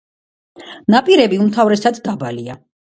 ნაპირები უმთავრესად დაბალია.